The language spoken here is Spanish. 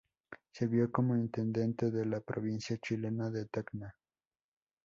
Sirvió como intendente de la provincia chilena de Tacna.